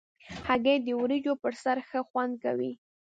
هګۍ د وریجو پر سر ښه خوند کوي.